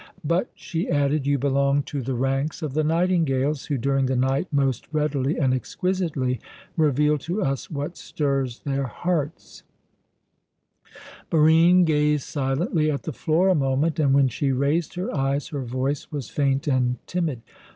"But," she added, "you belong to the ranks of the nightingales, who during the night most readily and exquisitely reveal to us what stirs their hearts " Barine gazed silently at the floor a moment, and when she raised her eyes her voice was faint and timid.